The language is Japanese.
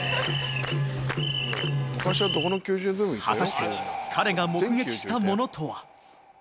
果たして彼が目撃したものとは。